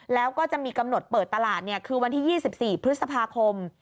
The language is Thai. แล้วก็จะมีกำหนดเปิดตลาดคือวันที่๒๔พฤษภาคม